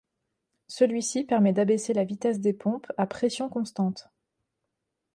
Celui-ci permet d’abaisser la vitesse des pompes à pression constante.